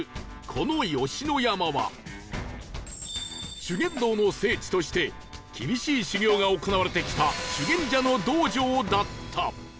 この吉野山は修験道の聖地として厳しい修行が行われてきた修験者の道場だった